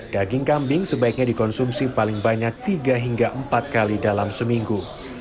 daging kambing sebaiknya dikonsumsi paling banyak tiga hingga empat kali dalam seminggu